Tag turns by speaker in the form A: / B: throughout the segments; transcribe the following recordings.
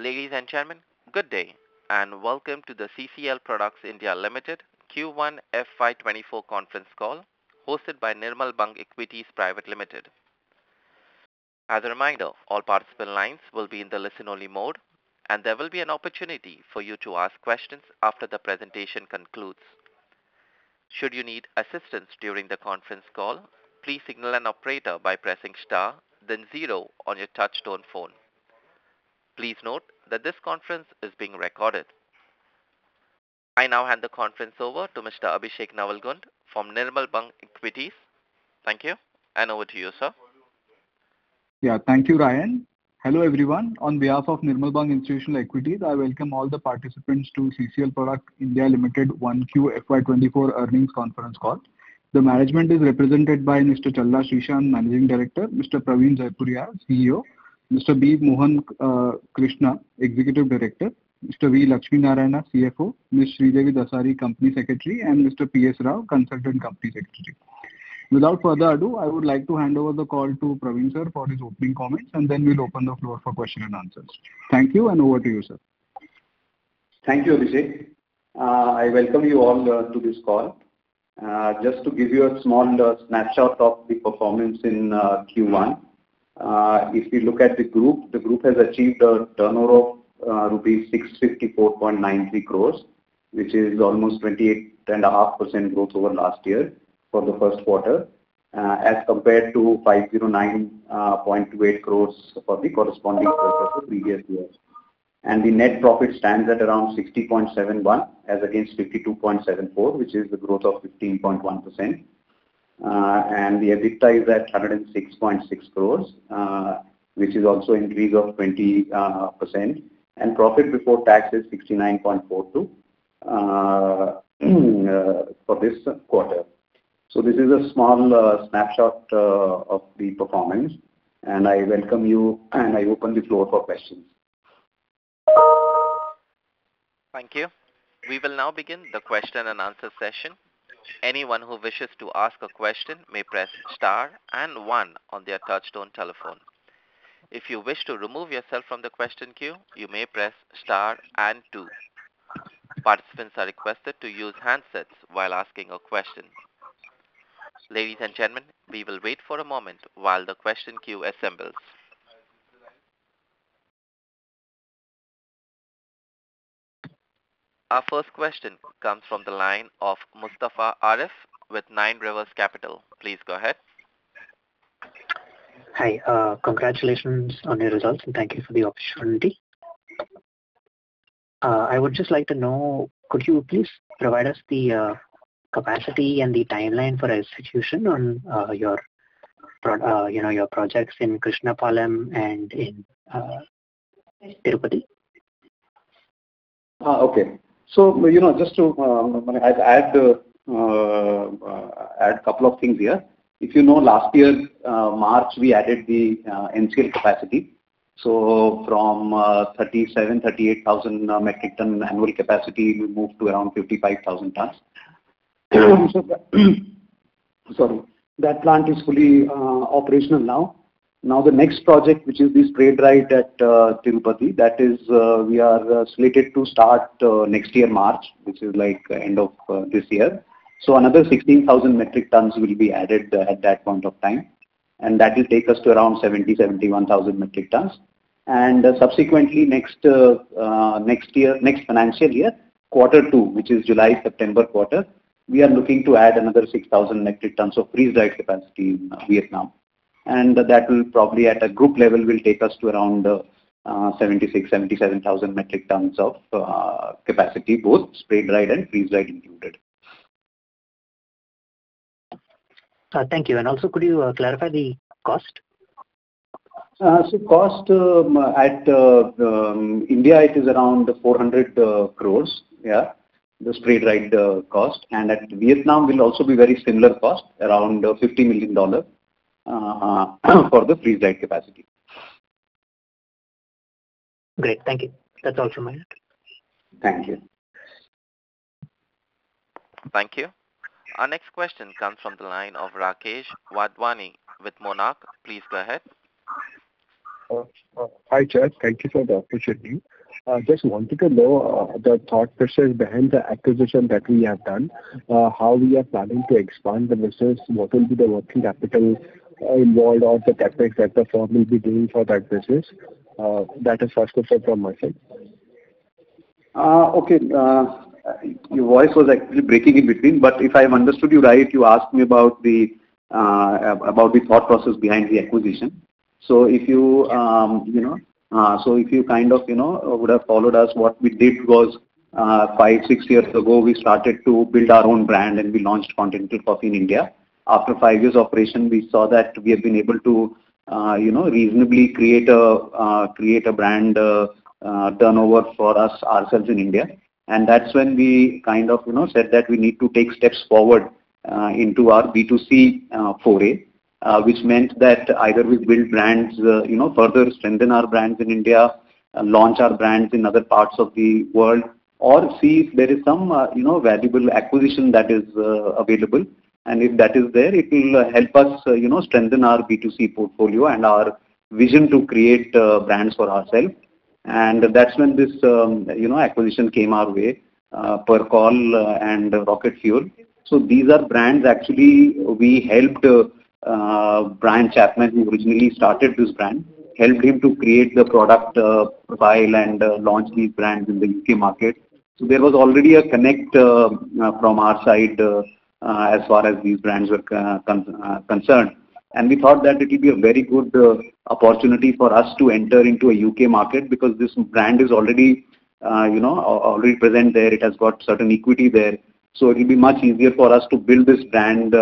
A: Ladies and gentlemen, good day, and welcome to the CCL Products (India) Limited Q1 FY 2024 conference call, hosted by Nirmal Bang Equities Private Limited. As a reminder, all participant lines will be in the listen-only mode, and there will be an opportunity for you to ask questions after the presentation concludes. Should you need assistance during the conference call, please signal an operator by pressing star, then zero on your touch-tone phone. Please note that this conference is being recorded. I now hand the conference over to Mr. Abhishek Navalgund from Nirmal Bang Equities. Thank you, and over to you, sir.
B: Yeah. Thank you, Ryan. Hello, everyone. On behalf of Nirmal Bang Institutional Equities, I welcome all the participants to CCL Products (India) Limited Q1 FY 2024 earnings conference call. The management is represented by Mr. Challa Srishant, Managing Director; Mr. Praveen Jaipuriar, CEO; Mr. B. Mohan Krishna, Executive Director; Mr. V. Lakshminarayanan, CFO; Ms. Srijani Dasari, Company Secretary, and Mr. P.S. Rao, Consultant Company Secretary. Without further ado, I would like to hand over the call to Praveen, sir, for his opening comments, and then we'll open the floor for question and answers. Thank you. Over to you, sir.
C: Thank you, Abhishek. I welcome you all to this call. Just to give you a small snapshot of the performance in Q1. If we look at the group, the group has achieved a turnover of rupees 654.93 crores, which is almost 28.5% growth over last year for the Q1, as compared to 509.28 crores for the corresponding quarter of the previous years. The net profit stands at around 60.71, as against 52.74, which is the growth of 15.1%. The EBITDA is at 106.6 crores, which is also increase of 20%, and profit before tax is 69.42 for this quarter. This is a small snapshot of the performance, and I welcome you, and I open the floor for questions.
A: Thank you. We will now begin the question and answer session. Anyone who wishes to ask a question may press Star and One on their touchtone telephone. If you wish to remove yourself from the question queue, you may press Star and Two. Participants are requested to use handsets while asking a question. Ladies and gentlemen, we will wait for a moment while the question queue assembles. Our first question comes from the line of Mustafa Arif with Nine Rivers Capital. Please go ahead.
D: Hi, congratulations on your results, and thank you for the opportunity. I would just like to know, could you please provide us the capacity and the timeline for institution on your, you know, your projects in Krishnampalem and in Tirupati?
C: Okay. you know, just to add a couple of things here. If you know, last year, March, we added the NCL capacity. From 37,000-38,000 metric ton annual capacity, we moved to around 55,000 tons. Sorry. That plant is fully operational now. The next project, which is the spray dried at Tirupati, that is we are slated to start next year, March, which is like end of this year. Another 16,000 metric tons will be added at that point of time, and that will take us to around 70,000-71,000 metric tons. Subsequently next next year, next financial year, quarter two, which is July, September quarter, we are looking to add another 6,000 metric tons of freeze dried capacity in Vietnam. That will probably, at a group level, will take us to around 76,000-77,000 metric tons of capacity, both spray dried and freeze dried included.
D: Thank you. Could you clarify the cost?
C: Cost at India, it is around 400 crores, yeah, the spray dried cost. At Vietnam will also be very similar cost, around $50 million for the freeze-dried capacity.
D: Great. Thank you. That's all from my end.
C: Thank you.
A: Thank you. Our next question comes from the line of Rakesh Wadhwani with Monarch. Please go ahead.
E: Hi, Chad. Thank you for the opportunity. I just wanted to know, the thought process behind the acquisition that we have done, how we are planning to expand the business, what will be the working capital involved or the CapEx that the firm will be doing for that business? That is first of all from my side.
C: Okay. Your voice was actually breaking in between, but if I have understood you right, you asked me about the thought process behind the acquisition. If you know, so if you kind of, you know, would have followed us, what we did was five, six years ago, we started to build our own brand, and we launched Continental Coffee in India. After five years of operation, we saw that we have been able to, you know, reasonably create a brand turnover for us, ourselves in India. That's when we kind of, you know, said that we need to take steps forward into our B2C foray, which meant that either we build brands, you know, further strengthen our brands in India-... launch our brands in other parts of the world, or see if there is some, you know, valuable acquisition that is available. If that is there, it will help us, you know, strengthen our B2C portfolio and our vision to create brands for ourselves. That's when this, you know, acquisition came our way, Percol and Rocket Fuel. These are brands actually, we helped Brian Chapman, who originally started this brand, helped him to create the product profile and launch these brands in the UK market. There was already a connect from our side, as far as these brands were concerned. We thought that it would be a very good opportunity for us to enter into a UK market because this brand is already, you know, already present there. It has got certain equity there. It will be much easier for us to build this brand,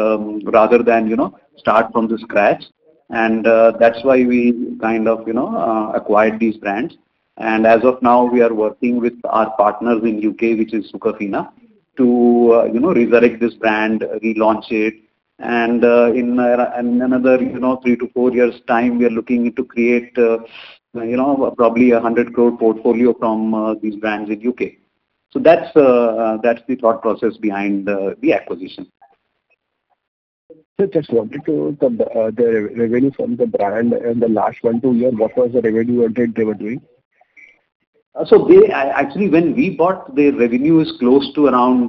C: rather than, you know, start from the scratch. That's why we kind of, you know, acquired these brands. As of now, we are working with our partners in UK, which is Sucafina, to, you know, resurrect this brand, relaunch it, and in another, you know, three to four years' time, we are looking to create, you know, probably an 100 crore portfolio from these brands in UK. That's the thought process behind the acquisition.
E: Just wanted to know the revenue from the brand in the last one, two years, what was the revenue they were doing?
C: Actually, when we bought, the revenue is close to around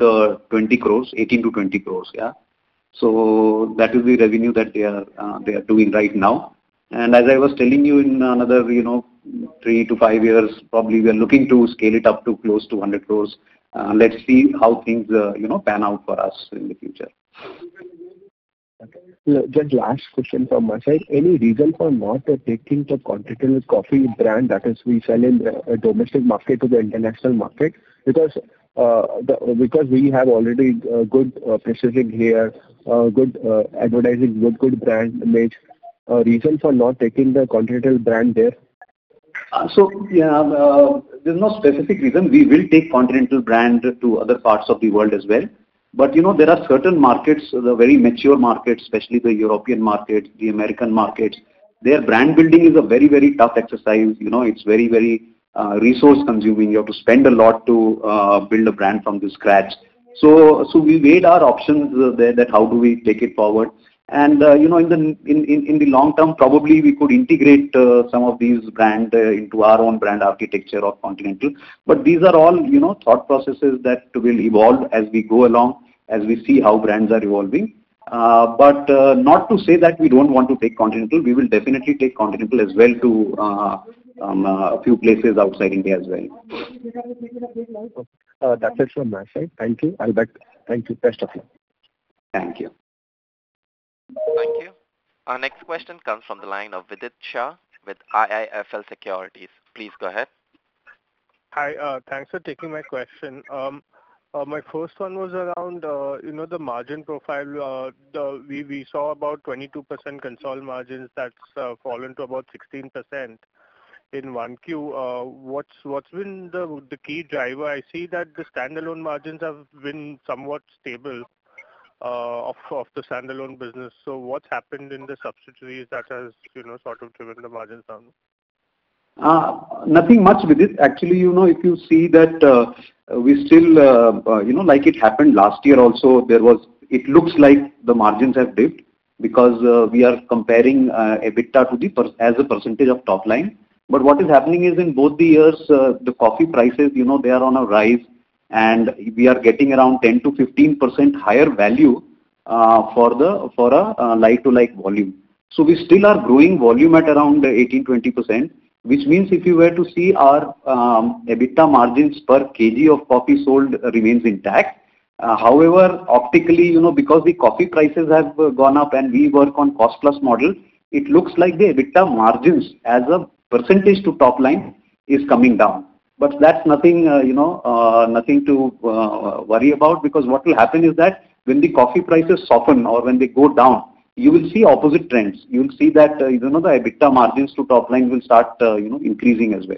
C: 20 crores, 18-20 crores, yeah. That is the revenue that they are doing right now. As I was telling you, in another, you know, 3-5 years, probably, we are looking to scale it up to close to 100 crores. Let's see how things, you know, pan out for us in the future.
E: Just last question from my side. Any reason for not taking the Continental Coffee brand, that is, we sell in the domestic market to the international market? We have already good positioning here, good advertising, good brand image. Reason for not taking the Continental brand there?
C: Yeah, there's no specific reason. We will take Continental brand to other parts of the world as well. You know, there are certain markets, the very mature markets, especially the European market, the American market, their brand building is a very, very tough exercise. You know, it's very, very resource-consuming. You have to spend a lot to build a brand from the scratch. We weighed our options there, that how do we take it forward? You know, in the long term, probably we could integrate some of these brand into our own brand architecture of Continental. These are all, you know, thought processes that will evolve as we go along, as we see how brands are evolving. Not to say that we don't want to take Continental. We will definitely take Continental as well to a few places outside India as well.
E: That's it from my side. Thank you. I'll be back. Thank you. Best of luck.
C: Thank you.
A: Thank you. Our next question comes from the line of Vidit Shah with IIFL Securities. Please go ahead.
F: Hi, thanks for taking my question. My first one was around, you know, the margin profile. We saw about 22% console margins, that's fallen to about 16% in 1Q. What's been the key driver? I see that the standalone margins have been somewhat stable, off the standalone business. What's happened in the subsidiaries that has, you know, sort of driven the margins down?
C: Nothing much, Vidit. Actually, you know, if you see that, we still, you know, like it happened last year also, it looks like the margins have dipped because we are comparing EBITDA to the as a percentage of top line. What is happening is, in both the years, the coffee prices, you know, they are on a rise, and we are getting around 10%-15% higher value for the, for a, like-to-like volume. We still are growing volume at around 18%-20%, which means if you were to see our EBITDA margins per kg of coffee sold remains intact. However, optically, you know, because the coffee prices have gone up and we work on cost-plus model, it looks like the EBITDA margins as a percentage to top line is coming down. That's nothing, you know, nothing to worry about, because what will happen is that when the coffee prices soften or when they go down, you will see opposite trends. You will see that, you know, the EBITDA margins to top line will start, you know, increasing as well.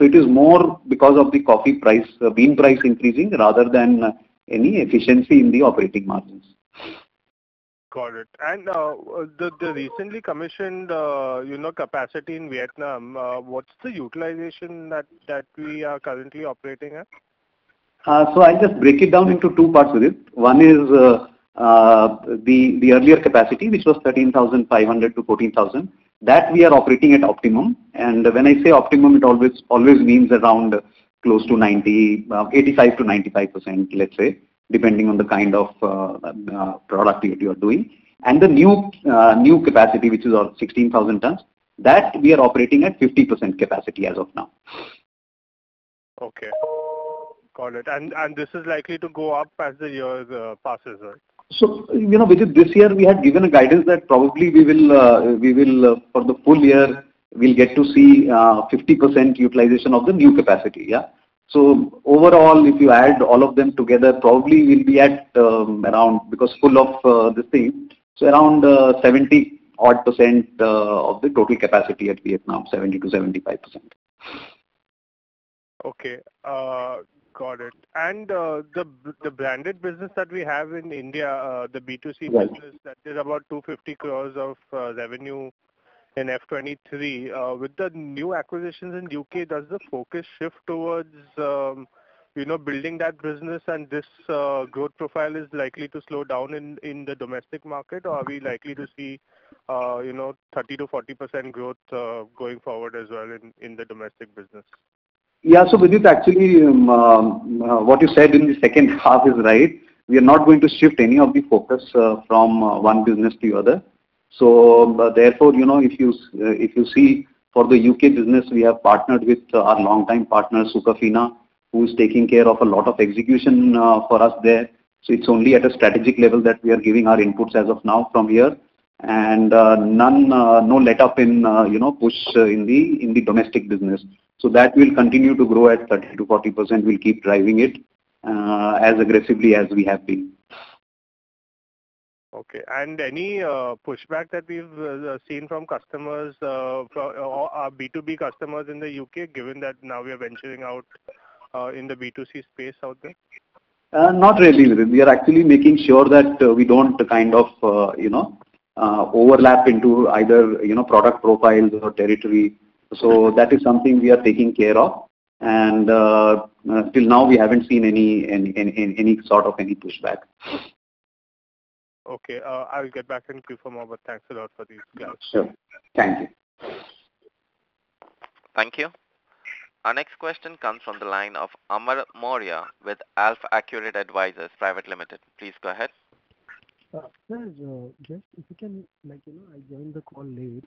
C: It is more because of the coffee price, bean price increasing, rather than any efficiency in the operating margins.
F: Got it. The recently commissioned, you know, capacity in Vietnam, what's the utilization that we are currently operating at?
C: I'll just break it down into two parts, Vidit. One is, the earlier capacity, which was 13,500 to 14,000. That we are operating at optimum. When I say optimum, it always means around close to 90, 85%-95%, let's say, depending on the kind of product that you are doing. The new capacity, which is around 16,000 tons, that we are operating at 50% capacity as of now.
F: Okay. Got it. This is likely to go up as the year passes, right?
C: You know, Vidit, this year we had given a guidance that probably we will, we will, for the full year, we'll get to see, 50% utilization of the new capacity, yeah? Overall, if you add all of them together, probably we'll be at, around, because full of, the thing, so around, 70% odd, of the total capacity at Vietnam, 70%-75%.
F: Okay, got it. The branded business that we have in India, the B2C business-
C: Yes.
F: That is about 250 crores of revenue in FY 2023. With the new acquisitions in UK, does the focus shift towards, you know, building that business and this growth profile is likely to slow down in the domestic market, or are we likely to see, you know, 30%-40% growth going forward as well in the domestic business?
C: Yeah. Vidit, actually, what you said in the second half is right. We are not going to shift any of the focus from one business to the other. Therefore, you know, if you see for the UK business, we have partnered with our longtime partner, Sucafina, who is taking care of a lot of execution for us there. It's only at a strategic level that we are giving our inputs as of now from here. No letup in, you know, push in the domestic business. That will continue to grow at 30%-40%. We'll keep driving it as aggressively as we have been.
F: Okay. Any pushback that we've seen from customers, from our B2B customers in the UK, given that now we are venturing out in the B2C space out there?
C: Not really, Vidit. We are actually making sure that we don't kind of, you know, overlap into either, you know, product profiles or territory. That is something we are taking care of, and till now, we haven't seen any sort of any pushback.
F: Okay, I will get back into you for more, but thanks a lot for these clues.
C: Sure. Thank you.
A: Thank you. Our next question comes from the line of Amar Maurya, with AlfAccurate Advisors Private Limited. Please go ahead.
G: Sir, just if you can, like, you know, I joined the call late.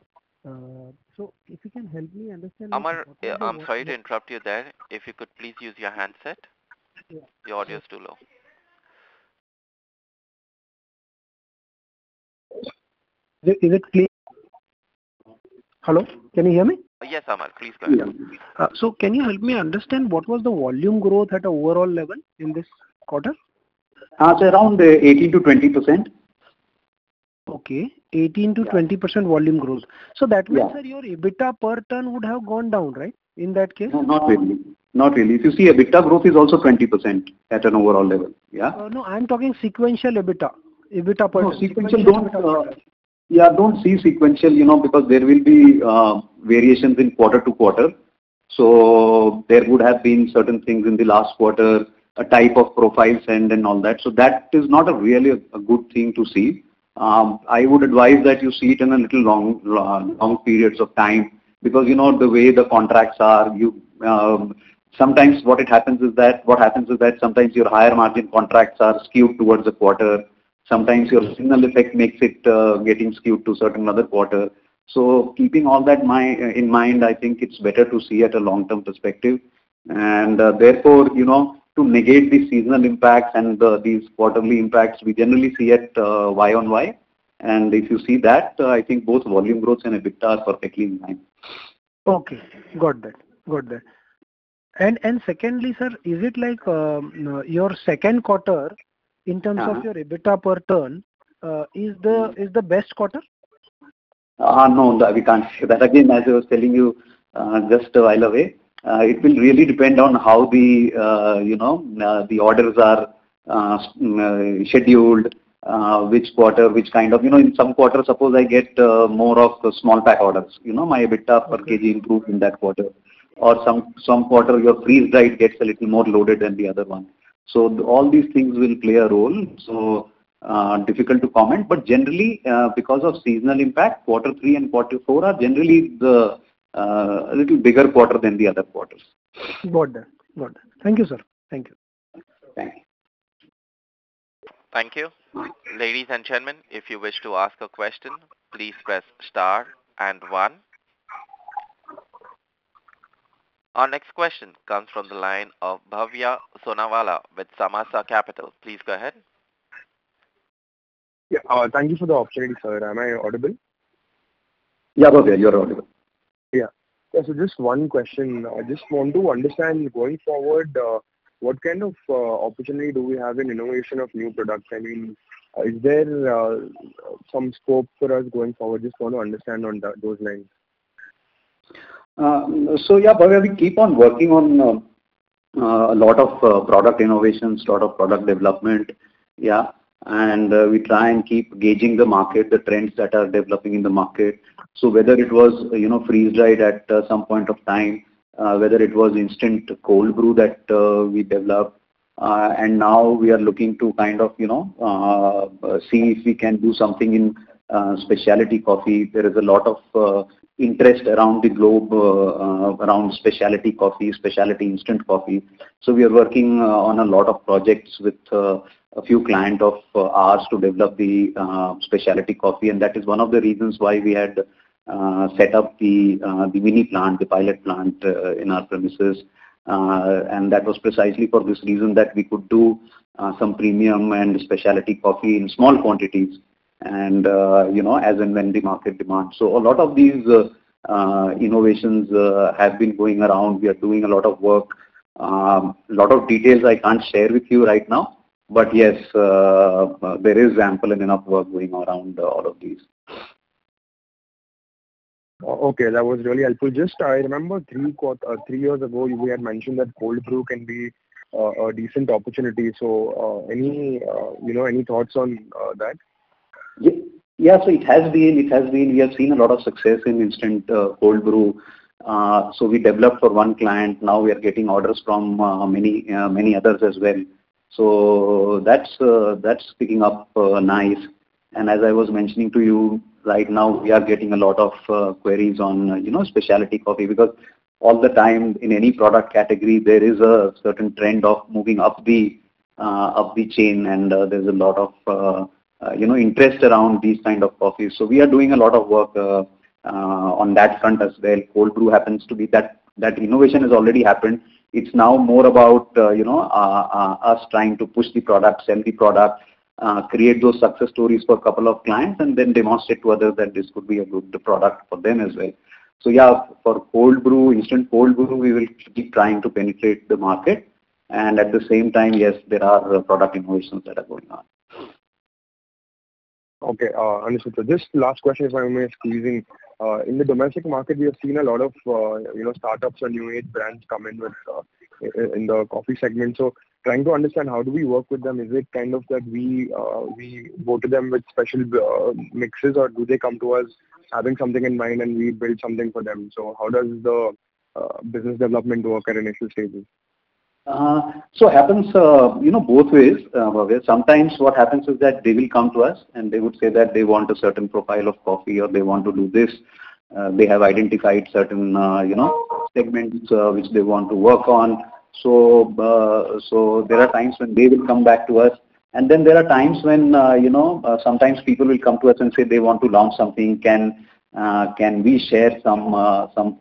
G: If you can help me understand.
A: Amar, yeah, I'm sorry to interrupt you there. If you could please use your handset.
G: Yeah.
A: The audio is too low.
G: Is it clear? Hello, can you hear me?
A: Yes, Amar, please go ahead.
G: Yeah. Can you help me understand what was the volume growth at an overall level in this quarter?
C: Around 18%-20%.
G: Okay. 18%-20%-
C: Yeah
G: volume growth.
C: Yeah.
G: That means that your EBITDA per ton would have gone down, right? In that case.
C: No, not really. Not really. If you see, EBITDA growth is also 20% at an overall level. Yeah?
G: No, I'm talking sequential EBITDA. EBITDA per ton.
C: No, sequential don't see sequential, you know, because there will be variations in quarter to quarter. There would have been certain things in the last quarter, a type of profile send and all that. That is not a really a good thing to see. I would advise that you see it in a little long periods of time, because, you know, the way the contracts are, you, what happens is that sometimes your higher margin contracts are skewed towards the quarter, sometimes your signal effect makes it getting skewed to certain other quarter. Keeping all that my in mind, I think it's better to see at a long-term perspective. Therefore, you know, to negate the seasonal impact and these quarterly impacts, we generally see at YOY. If you see that, I think both volume growth and EBITDA are perfectly in line.
G: Okay. Got that. and secondly, sir, is it like, your Q2.
C: Yeah
G: in terms of your EBITDA per ton, is the best quarter?
C: No, that we can't say. That again, as I was telling you, just a while away, it will really depend on how the, you know, the orders are scheduled, which quarter, which kind of... You know, in some quarters, suppose I get more of the small pack orders, you know, my EBITDA per kg improve in that quarter, or some quarter, your freeze-dried gets a little more loaded than the other one. All these things will play a role. Difficult to comment. Generally, because of seasonal impact, quarter three and quarter four are generally the a little bigger quarter than the other quarters.
G: Got that. Got it. Thank you, sir. Thank you.
C: Thanks.
A: Thank you. Ladies and gentlemen, if you wish to ask a question, please press star and one. Our next question comes from the line of Bhavya Sonawala, with Samaasa Capital. Please go ahead.
H: Yeah, thank you for the opportunity, sir. Am I audible?
C: Yeah, Bhavya, you're audible.
H: Yeah. Just one question. I just want to understand, going forward, what kind of opportunity do we have in innovation of new products? I mean, is there some scope for us going forward? Just want to understand on that, those lines.
C: Yeah, Bhavya, we keep on working on a lot of product innovations, lot of product development. Yeah. We try and keep gauging the market, the trends that are developing in the market. Whether it was, you know, freeze dried at some point of time, whether it was instant cold brew that we developed, and now we are looking to kind of, you know, see if we can do something in specialty coffee. There is a lot of interest around the globe around specialty coffee, specialty instant coffee. We are working on a lot of projects with a few client of ours to develop the specialty coffee, and that is one of the reasons why we had set up the mini plant, the pilot plant in our premises. That was precisely for this reason that we could do some premium and specialty coffee in small quantities, and, you know, as and when the market demands. A lot of these innovations have been going around. We are doing a lot of work. A lot of details I can't share with you right now, but yes, there is ample and enough work going around all of these.
H: Okay, that was really helpful. Just I remember three years ago, you had mentioned that cold brew can be a decent opportunity. Any, you know, any thoughts on that?
C: Yeah, it has been. We have seen a lot of success in instant cold brew. We developed for one client, now we are getting orders from many others as well. That's picking up nice. As I was mentioning to you, right now, we are getting a lot of queries on, you know, specialty coffee, because all the time in any product category, there is a certain trend of moving up the chain, and there's a lot of, you know, interest around these kind of coffees. We are doing a lot of work on that front as well. Cold brew happens to be that innovation has already happened. It's now more about, you know, us trying to push the product, sell the product, create those success stories for a couple of clients, and then demonstrate to others that this could be a good product for them as well. Yeah, for cold brew, instant cold brew, we will keep trying to penetrate the market, and at the same time, yes, there are product innovations that are going on.
H: Okay, understood. Just last question, if I may squeeze in. In the domestic market, we have seen a lot of, you know, startups and new age brands come in with in the coffee segment. Trying to understand, how do we work with them? Is it kind of that we go to them with special mixes, or do they come to us having something in mind and we build something for them? How does the business development work at initial stages?
C: Happens, you know, both ways, Bhavya. Sometimes what happens is that they will come to us, and they would say that they want a certain profile of coffee or they want to do this. They have identified certain, you know, segments, which they want to work on. There are times when they will come back to us, and then there are times when, you know, sometimes people will come to us and say they want to launch something, can we share some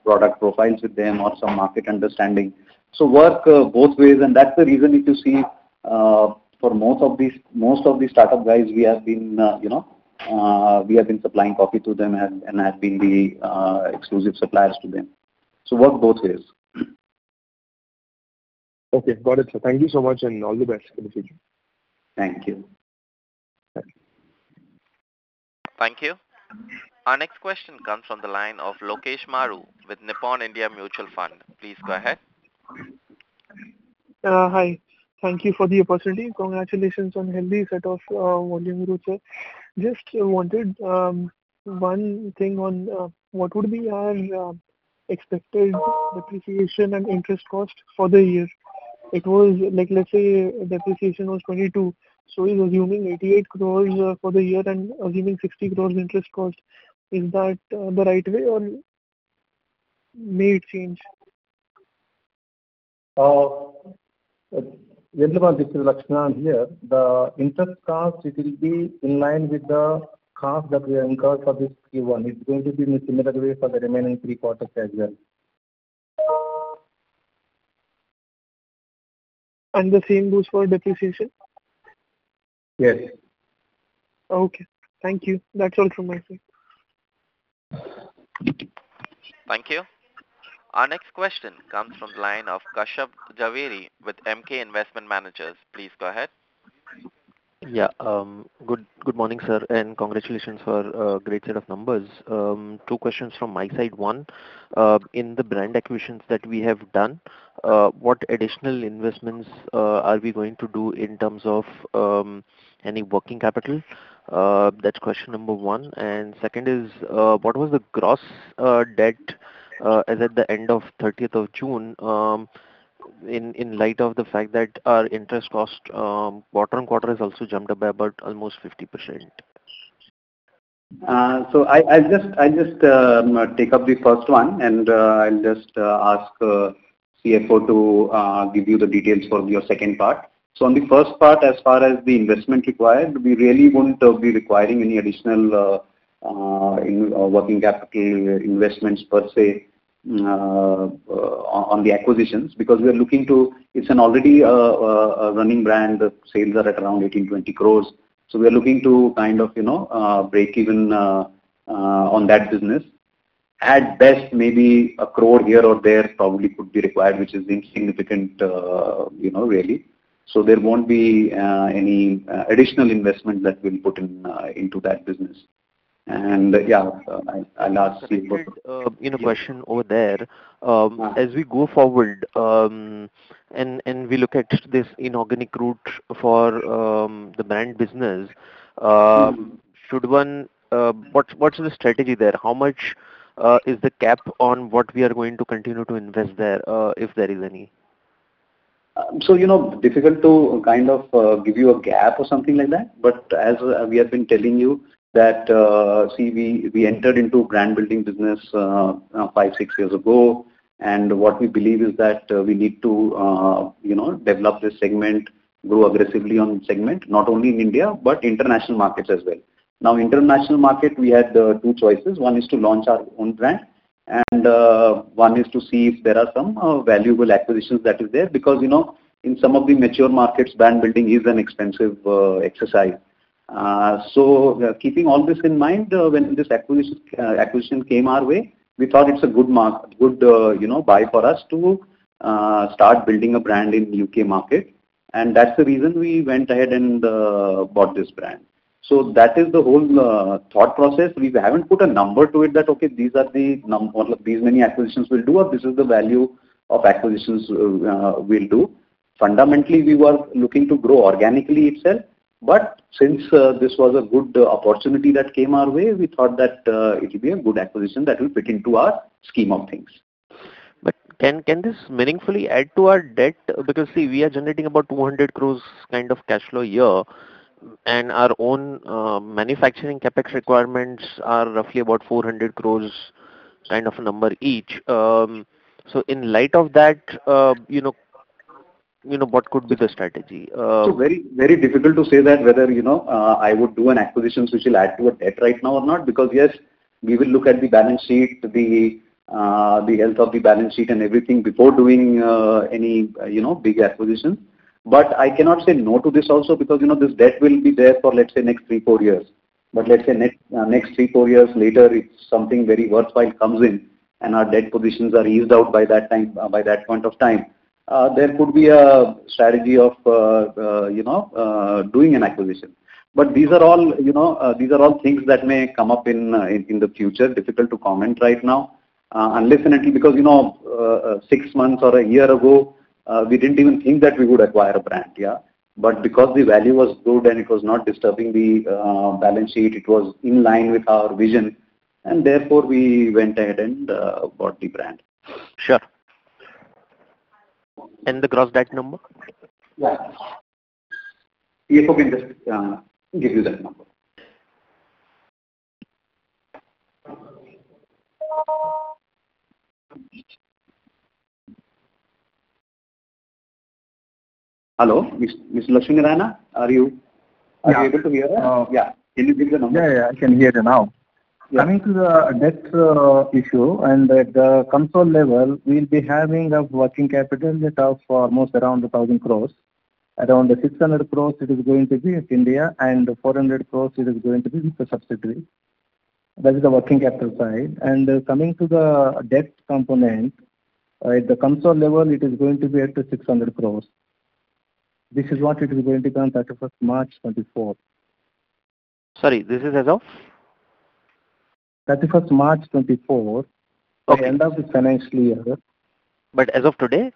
C: product profiles with them or some market understanding? Work both ways, and that's the reason if you see, for most of these startup guys, we have been, you know, we have been supplying coffee to them and have been the exclusive suppliers to them. Work both ways.
H: Okay, got it, sir. Thank you so much, and all the best for the future.
C: Thank you.
A: Thank you. Our next question comes from the line of Lokesh Maru with Nippon India Mutual Fund. Please go ahead.
I: Hi. Thank you for the opportunity. Congratulations on healthy set of volume growth, sir. Just wanted one thing on what would be our expected depreciation and interest cost for the year? It was like, let's say depreciation was 22, so is assuming 88 crores for the year and assuming 60 crores interest cost, is that the right way or may it change?
J: With regard to this, Lakshman, here, the interest cost, it will be in line with the cost that we incurred for this Q1. It's going to be in a similar way for the remaining Q3 as well.
I: The same goes for depreciation?
J: Yes.
I: Thank you. That's all from my side.
A: Thank you. Our next question comes from the line of Kashyap Javeri with Emkay Investment Managers. Please go ahead.
K: Yeah, good morning, sir, and congratulations for a great set of numbers. 2 questions from my side. One, in the brand acquisitions that we have done, what additional investments are we going to do in terms of any working capital? That's question number 1. Second is, what was the gross debt as at the end of 30th of June, in light of the fact that our interest cost quarter-on-quarter has also jumped up by about almost 50%?
C: I'll just take up the first one, and I'll just ask CFO to give you the details for your second part. On the first part, as far as the investment required, we really won't be requiring any additional working capital investments per se on the acquisitions, because it's an already a running brand. The sales are at around 18-20 crores. We are looking to kind of, you know, break even on that business. At best, maybe 1 crore here or there probably could be required, which is insignificant, you know, really. There won't be any additional investment that we'll put in into that business. Yeah, I'll ask CFO.
K: In a question over there, as we go forward, and we look at this inorganic route for the brand business.
C: Mm-hmm.
K: should one, what's the strategy there? How much is the cap on what we are going to continue to invest there, if there is any?
C: You know, difficult to kind of give you a gap or something like that, but as we have been telling you, that see, we entered into brand building business five, six years ago, and what we believe is that we need to, you know, develop this segment, grow aggressively on segment, not only in India, but international markets as well. International market, we had two choices. One is to launch our own brand, and one is to see if there are some valuable acquisitions that is there, because, you know, in some of the mature markets, brand building is an expensive exercise. Keeping all this in mind, when this acquisition came our way, we thought it's a good, you know, buy for us to start building a brand in U.K. market. That's the reason we went ahead and bought this brand. That is the whole thought process. We haven't put a number to it, that, okay, these are the or these many acquisitions we'll do, or this is the value of acquisitions we'll do. Fundamentally, we were looking to grow organically itself, but since this was a good opportunity that came our way, we thought that it would be a good acquisition that will fit into our scheme of things.
K: Can this meaningfully add to our debt? See, we are generating about 200 crores kind of cash flow a year, and our own manufacturing CapEx requirements are roughly about 400 crores, kind of a number each. In light of that, you know, what could be the strategy?
C: Very, very difficult to say that whether, you know, I would do an acquisition which will add to a debt right now or not. Yes, we will look at the balance sheet, the health of the balance sheet and everything before doing any, you know, big acquisition. I cannot say no to this also, because, you know, this debt will be there for, let's say, next three, four years. Let's say next three, four years later, if something very worthwhile comes in and our debt positions are eased out by that time, by that point of time, there could be a strategy of, you know, doing an acquisition. These are all, you know, these are all things that may come up in the future. Difficult to comment right now, unless and until... You know, 6 months or 1 year ago, we didn't even think that we would acquire a brand. Yeah. Because the value was good and it was not disturbing the balance sheet, it was in line with our vision, and therefore we went ahead and bought the brand.
K: Sure. The gross debt number?
C: Yeah. CFO can just give you that number. Hello, Mr. Lakshminarayanan.
J: Yeah.
C: Are you able to hear us?
J: Oh.
C: Yeah. Can you give the number?
J: Yeah, yeah, I can hear you now.
C: Yeah.
J: Coming to the debt issue, at the consolidated level, we'll be having a working capital that are for almost around 1,000 crores. Around the 600 crores, it is going to be at India, and 400 crores, it is going to be the subsidiary. That is the working capital side. Coming to the debt component, at the consolidated level, it is going to be at the 600 crores. This is what it is going to be on 31st March, 2024.
K: Sorry, this is as of?
J: 31st March, 2024.
K: Okay.
J: At the end of the financial year.
K: As of today?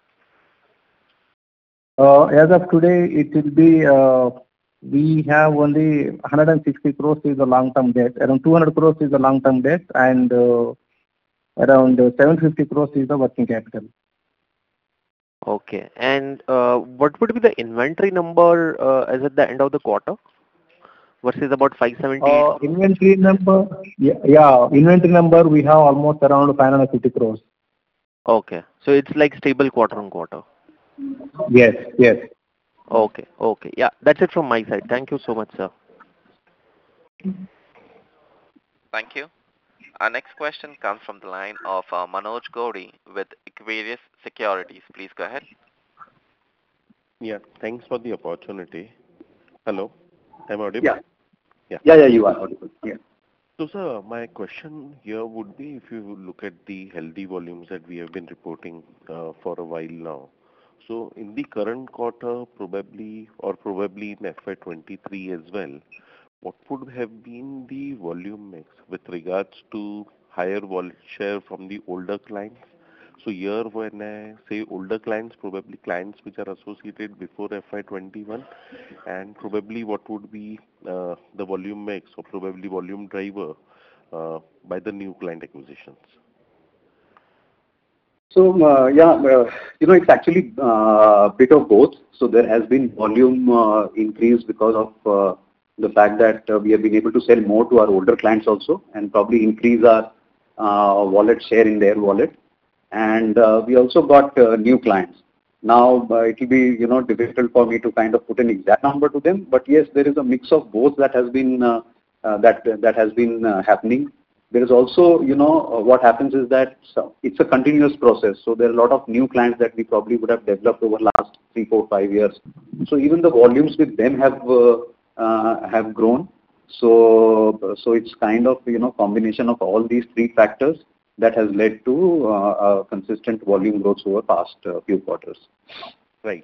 J: As of today, it will be, we have only 160 crores is the long-term debt. Around 200 crores is the long-term debt, and, around 750 crores is the working capital.
K: Okay. What would be the inventory number, as at the end of the quarter, versus about 570?
J: Inventory number? Yeah, inventory number, we have almost around 550 crore.
K: Okay. It's like stable quarter-on-quarter?
J: Yes, yes.
K: Okay, okay. That's it from my side. Thank you so much, sir.
A: Thank you. Our next question comes from the line of Manoj Gowri with Aquarius Securities. Please go ahead.
L: Yeah, thanks for the opportunity. Hello, am I audible?
C: Yeah.
L: Yeah.
C: Yeah, yeah, you are audible. Yeah.
L: Sir, my question here would be, if you look at the healthy volumes that we have been reporting, for a while now. In the current quarter, probably, or probably in FY 2023 as well, what would have been the volume mix with regards to higher wallet share from the older clients? Here, when I say older clients, probably clients which are associated before FY 2021, and probably what would be, the volume mix or probably volume driver, by the new client acquisitions.
C: Yeah, you know, it's actually a bit of both. There has been volume increase because of the fact that we have been able to sell more to our older clients also, and probably increase our wallet share in their wallet. We also got new clients. Now, it will be, you know, difficult for me to kind of put an exact number to them. Yes, there is a mix of both that has been happening. There is also. You know, what happens is that, it's a continuous process, so there are a lot of new clients that we probably would have developed over the last three, four, five years. Even the volumes with them have grown. It's kind of, you know, combination of all these three factors that has led to a consistent volume growth over the past few quarters.
L: Right.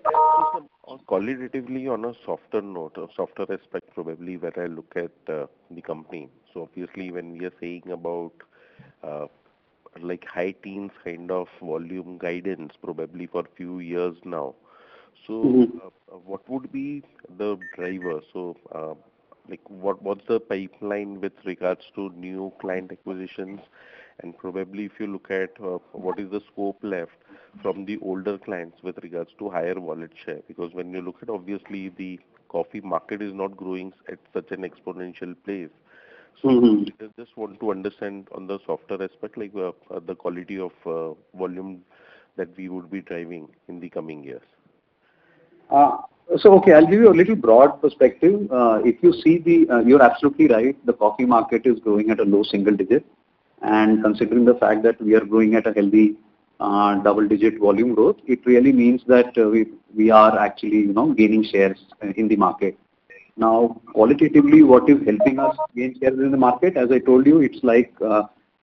L: Qualitatively, on a softer note or softer aspect, probably, when I look at the company. Obviously, when we are saying about like high teens kind of volume guidance, probably for a few years now.
C: Mm-hmm.
L: What would be the driver? Like, what's the pipeline with regards to new client acquisitions? Probably if you look at, what is the scope left from the older clients with regards to higher wallet share. When you look at, obviously, the coffee market is not growing at such an exponential pace.
C: Mm-hmm.
L: I just want to understand on the softer aspect, like the quality of volume that we would be driving in the coming years.
C: Okay, I'll give you a little broad perspective. If you see the, you're absolutely right, the coffee market is growing at a low single-digit. Considering the fact that we are growing at a healthy, double-digit volume growth, it really means that we are actually, you know, gaining shares in the market. Qualitatively, what is helping us gain shares in the market? As I told you, it's like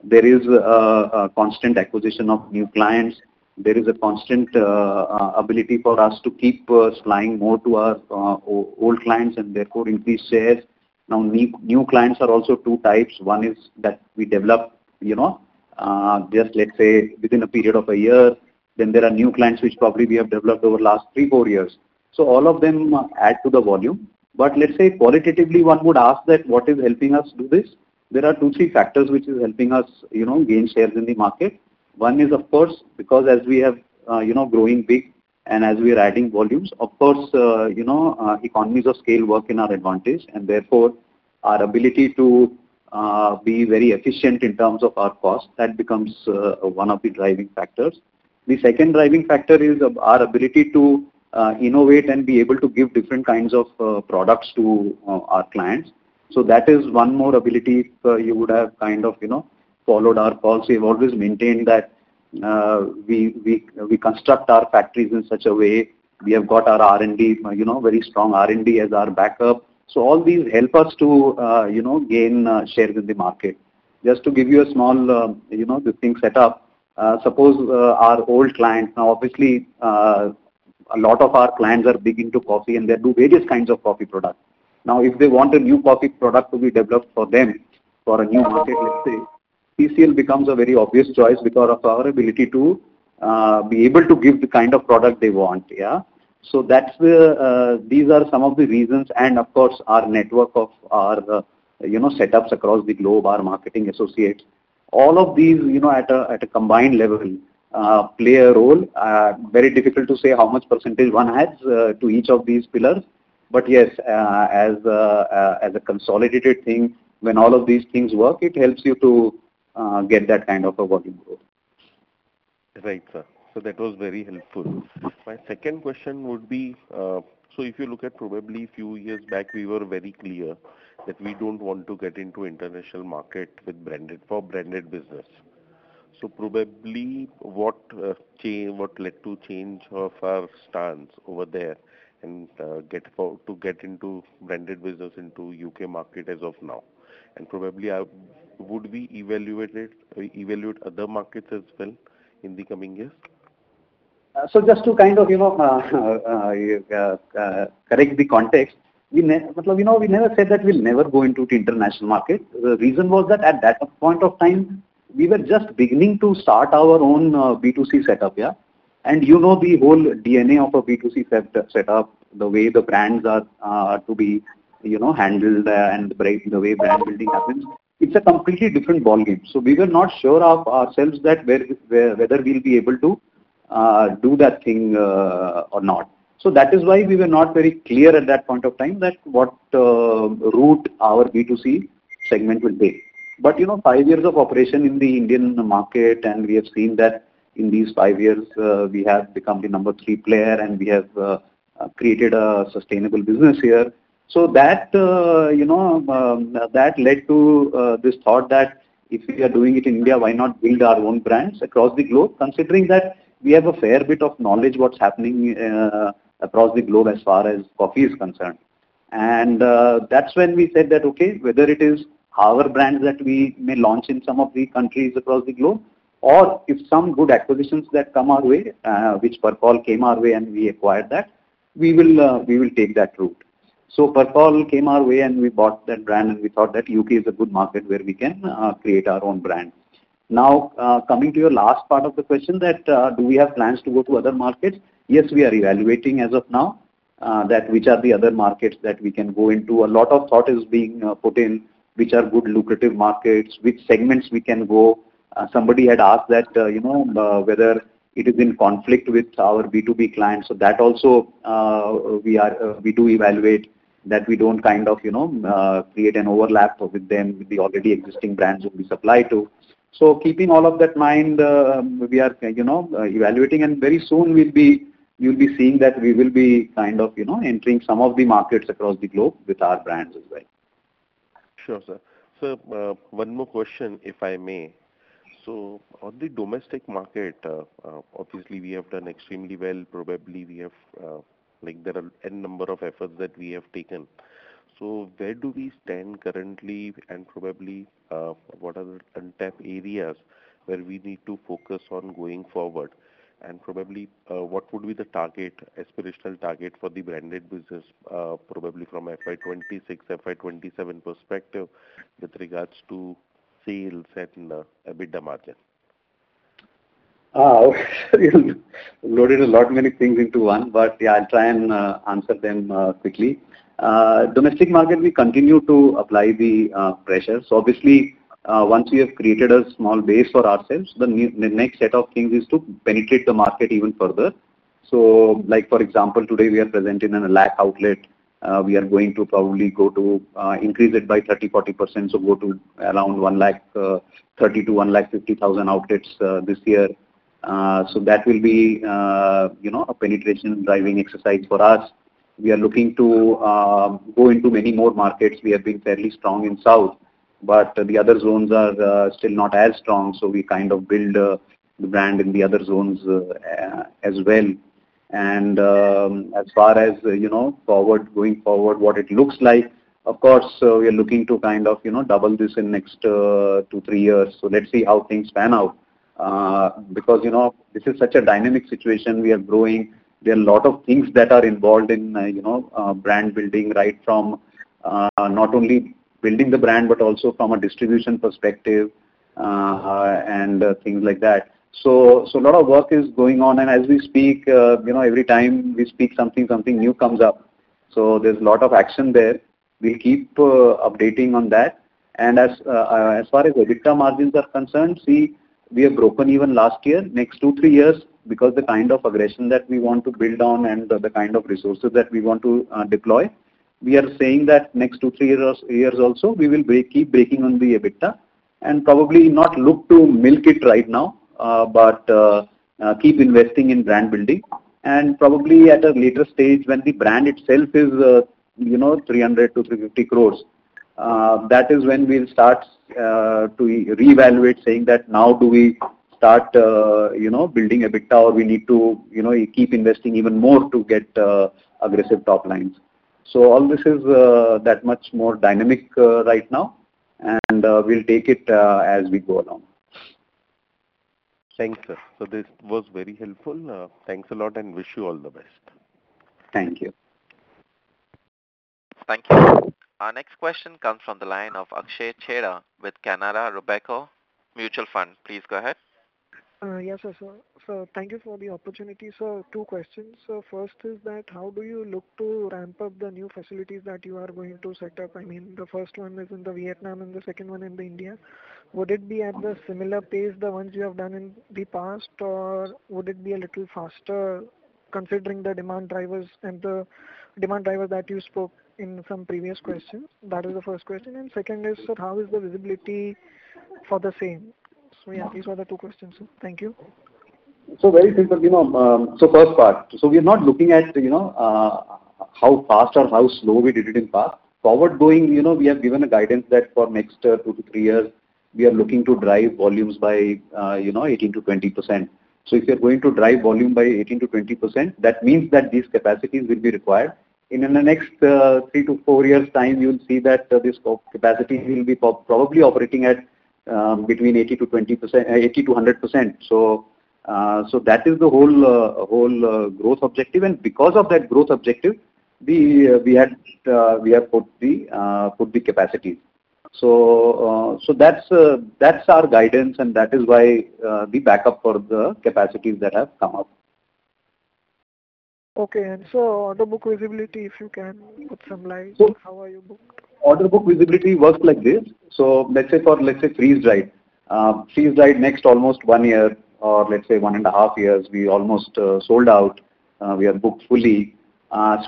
C: there is a constant acquisition of new clients. There is a constant ability for us to keep supplying more to our old clients, and therefore, increase shares. New clients are also two types. One is that we develop, you know, just let's say, within a period of a year. There are new clients which probably we have developed over the last 3, 4 years. All of them add to the volume. Let's say, qualitatively, one would ask that what is helping us do this? There are 2, 3 factors which is helping us, you know, gain shares in the market. One is, of course, because as we have, you know, growing big and as we are adding volumes, of course, you know, economies of scale work in our advantage, and therefore, our ability to be very efficient in terms of our cost, that becomes one of the driving factors. The second driving factor is our ability to innovate and be able to give different kinds of products to our clients. That is one more ability. If you would have kind of, you know, followed our policy, we've always maintained that, we construct our factories in such a way, we have got our R&D, you know, very strong R&D as our backup. All these help us to, you know, gain shares in the market. Just to give you a small, you know, the thing set up, suppose, our old clients. Obviously, a lot of our clients are big into coffee, and they do various kinds of coffee products. If they want a new coffee product to be developed for them, for a new market, let's say, CCL becomes a very obvious choice because of our ability to be able to give the kind of product they want. Yeah. That's the these are some of the reasons, and of course, our network of our, you know, setups across the globe, our marketing associates. All of these, you know, at a combined level, play a role. Very difficult to say how much percentage one adds to each of these pillars, but yes, as a consolidated thing, when all of these things work, it helps you to get that kind of a working group.
L: Right, sir. That was very helpful. My second question would be, if you look at probably a few years back, we were very clear that we don't want to get into international market with for branded business. Probably, what led to change of our stance over there and to get into branded business into U.K. market as of now? Probably, would we evaluate other markets as well in the coming years?
C: Just to kind of, you know, correct the context, but, you know, we never said that we'll never go into the international market. The reason was that at that point of time, we were just beginning to start our own B2C setup, yeah. You know, the whole DNA of a B2C setup, the way the brands are to be, you know, handled and the way brand building happens, it's a completely different ballgame. We were not sure of ourselves that whether we'll be able to do that thing or not. That is why we were not very clear at that point of time, that what route our B2C segment will take. You know, five years of operation in the Indian market, and we have seen that in these five years, we have become the number three player, and we have created a sustainable business here. That, you know, that led to this thought that if we are doing it in India, why not build our own brands across the globe? Considering that we have a fair bit of knowledge what's happening across the globe as far as coffee is concerned. That's when we said that, okay, whether it is our brands that we may launch in some of the countries across the globe, or if some good acquisitions that come our way, which Percol came our way and we acquired that, we will take that route. Percol came our way, and we bought that brand, and we thought that U.K. is a good market where we can create our own brand. Coming to your last part of the question, that do we have plans to go to other markets? Yes, we are evaluating as of now, that which are the other markets that we can go into. A lot of thought is being put in, which are good lucrative markets, which segments we can go. Somebody had asked that, you know, whether it is in conflict with our B2B clients. That also, we do evaluate, that we don't kind of, you know, create an overlap with them, with the already existing brands that we supply to. Keeping all of that in mind, we are, you know, evaluating, and very soon you'll be seeing that we will be kind of, you know, entering some of the markets across the globe with our brands as well.
L: Sure, sir. One more question, if I may. On the domestic market, obviously, we have done extremely well. Probably, we have, like, there are n number of efforts that we have taken. Where do we stand currently, and probably, what are the untapped areas where we need to focus on going forward? Probably, what would be the target, aspirational target for the branded business, probably from FY 2026, FY 2027 perspective, with regards to sales and EBITDA margin?
C: Loaded a lot, many things into one, yeah, I'll try and answer them quickly. Domestic market, we continue to apply the pressure. Obviously, once we have created a small base for ourselves, the next set of things is to penetrate the market even further. Like, for example, today, we are presenting in 1 lakh outlet. We are going to probably go to increase it by 30%-40%. Go to around 130,000 to 150,000 outlets this year. That will be, you know, a penetration-driving exercise for us. We are looking to go into many more markets. We have been fairly strong in South.... The other zones are still not as strong, so we kind of build the brand in the other zones as well. As far as, you know, forward, going forward, what it looks like, of course, we are looking to kind of, you know, double this in next 2, 3 years. Let's see how things pan out. Because, you know, this is such a dynamic situation. We are growing. There are a lot of things that are involved in, you know, brand building, right from not only building the brand, but also from a distribution perspective, and things like that. A lot of work is going on, and as we speak, you know, every time we speak something new comes up. There's a lot of action there. We'll keep updating on that. As far as EBITDA margins are concerned, see, we have broken even last year. Next two, three years, because the kind of aggression that we want to build on and the kind of resources that we want to deploy, we are saying that next two, three years also, we will keep breaking on the EBITDA. Probably not look to milk it right now, but keep investing in brand building. Probably at a later stage when the brand itself is, you know, 300-350 crores, that is when we'll start to reevaluate, saying that now do we start, you know, building EBITDA, or we need to, you know, keep investing even more to get aggressive top lines. All this is that much more dynamic right now, and we'll take it as we go along.
L: Thanks, sir. This was very helpful. Thanks a lot, and wish you all the best.
C: Thank you.
A: Thank you. Our next question comes from the line of Akshay Chheda with Canara Robeco Mutual Fund. Please go ahead.
M: Yes, sir. Thank you for the opportunity, sir. Two questions. First is that how do you look to ramp up the new facilities that you are going to set up? I mean, the first one is in Vietnam and the second one in India. Would it be at the similar pace, the ones you have done in the past, or would it be a little faster, considering the demand drivers and the demand driver that you spoke in some previous questions? That is the first question. Second is, sir, how is the visibility for the same? These are the two questions. Thank you.
C: Very simple, you know, first part, we are not looking at, you know, how fast or how slow we did it in past. Forward going, you know, we have given a guidance that for next, 2-3 years, we are looking to drive volumes by, you know, 18%-20%. If you're going to drive volume by 18%-20%, that means that these capacities will be required. In the next, 3-4 years' time, you'll see that this capacity will be probably operating at, between 80%-100%. That is the whole growth objective, and because of that growth objective, we had, we have put the capacity. That's our guidance, and that is why, the backup for the capacities that have come up.
M: Okay. order book visibility, if you can put some light, how are you booked?
C: Order book visibility works like this: Let's say for, let's say, freeze dried. Freeze dried, next almost 1 year, or let's say 1.5 years, we almost sold out. We are booked fully.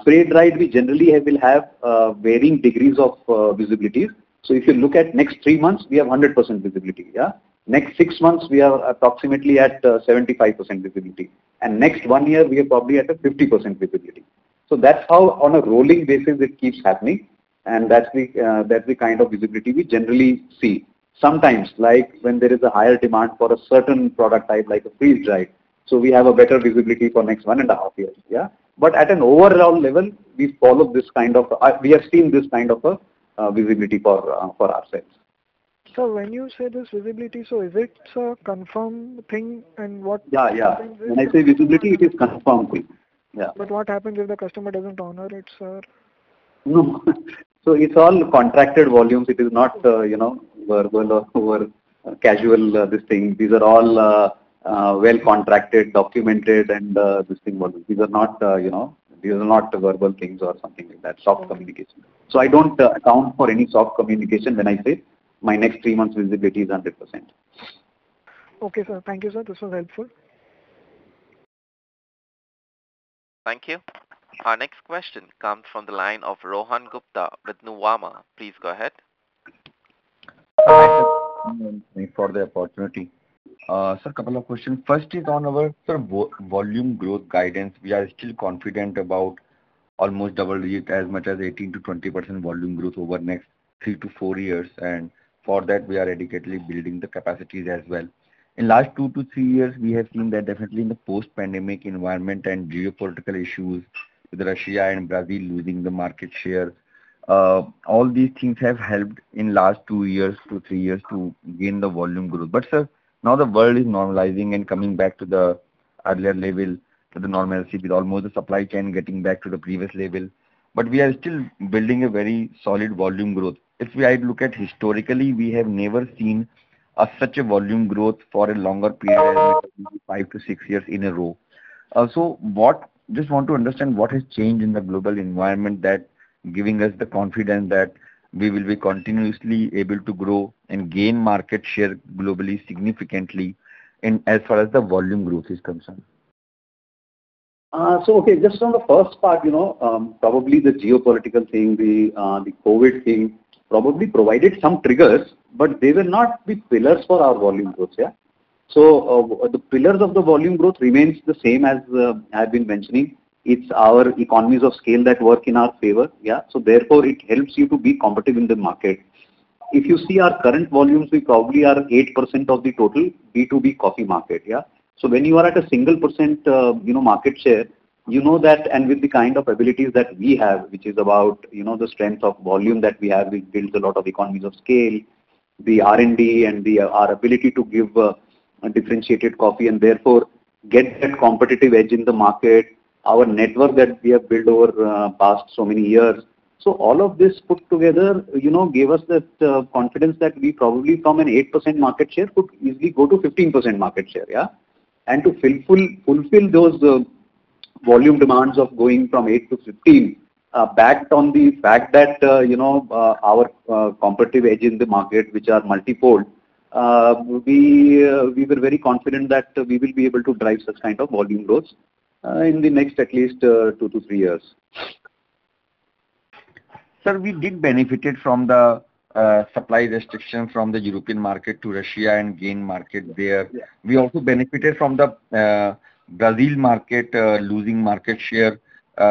C: Spray dried, we generally have, will have varying degrees of visibility. If you look at next 3 months, we have 100% visibility, yeah? Next 6 months, we are approximately at 75% visibility. Next 1 year, we are probably at 50% visibility. That's how, on a rolling basis, it keeps happening, and that's the kind of visibility we generally see. Sometimes, like when there is a higher demand for a certain product type, like a freeze dried, we have a better visibility for next 1.5 years, yeah? At an overall level, we are seeing this kind of a visibility for ourselves.
M: When you say this visibility, so is it a confirmed thing?
C: Yeah. When I say visibility, it is confirmed thing. Yeah.
M: What happens if the customer doesn't honor it, sir?
C: No. It's all contracted volumes. It is not, you know, verbal or casual, this thing. These are all, well-contracted, documented, and, this thing. These are not, you know, these are not verbal things or something like that, soft communication. I don't account for any soft communication when I say my next three months visibility is 100%.
M: Okay, sir. Thank you, sir. This was helpful.
A: Thank you. Our next question comes from the line of Rohan Gupta with Nuvama. Please go ahead.
N: Thank you for the opportunity. Sir, couple of questions. First is on our, sir, volume growth guidance. We are still confident about almost double digit, as much as 18%-20% volume growth over the next 3-4 years, and for that we are adequately building the capacities as well. In last 2-3 years, we have seen that definitely in the post-pandemic environment and geopolitical issues, with Russia and Brazil losing the market share, all these things have helped in last 2-3 years to gain the volume growth. Sir, now the world is normalizing and coming back to the earlier level, to the normalcy, with almost the supply chain getting back to the previous level. We are still building a very solid volume growth. I look at historically, we have never seen a such a volume growth for a longer period, 5-6 years in a row. Just want to understand, what has changed in the global environment that giving us the confidence that we will be continuously able to grow and gain market share globally, significantly, and as far as the volume growth is concerned?
C: Okay, just on the first part, you know, probably the geopolitical thing, the COVID thing, probably provided some triggers, but they will not be pillars for our volume growth, yeah? The pillars of the volume growth remains the same as I've been mentioning. It's our economies of scale that work in our favor. Yeah. Therefore, it helps you to be competitive in the market. If you see our current volumes, we probably are 8% of the total B2B coffee market, yeah? When you are at a 1%, you know, market share, you know that and with the kind of abilities that we have, which is about, you know, the strength of volume that we have, we build a lot of economies of scale, the R&D and our ability to give a differentiated coffee and therefore get that competitive edge in the market, our network that we have built over past so many years. All of this put together, you know, gave us that confidence that we probably from an 8% market share, could easily go to 15% market share, yeah? To fulfill those volume demands of going from 8 to 15, backed on the fact that, you know, our competitive edge in the market, which are multipoled, we were very confident that we will be able to drive such kind of volume growth in the next at least 2 to 3 years.
N: Sir, we did benefited from the supply restriction from the European market to Russia and gain market there.
C: Yeah.
N: We also benefited from the Brazil market losing market share